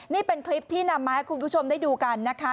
นี่เป็นคลิปที่นำมาให้คุณผู้ชมได้ดูกันนะคะ